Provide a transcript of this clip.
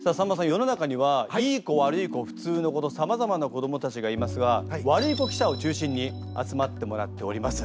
世の中にはいい子悪い子普通の子とさまざまな子どもたちがいますがワルイコ記者を中心に集まってもらっております。